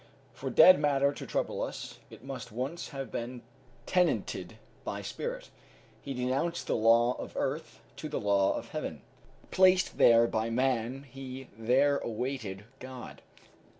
For dead matter to trouble us, it must once have been tenanted by spirit. He denounced the law of earth to the law of Heaven. Placed there by man, he there awaited God.